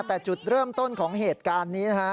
แต่จดเริ่มต้นของเหตุการณ์